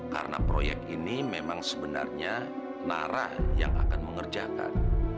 karena proyek ini memang sebenarnya nara yang akan mengerjakan